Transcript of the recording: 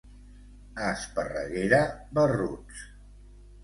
A Esparreguera, barruts.